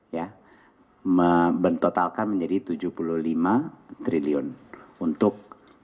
ya bentotalkan menjadi tujuh puluh lima triliun untuk dua ribu dua puluh